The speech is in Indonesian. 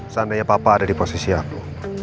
seandainya papa ada di posisi aku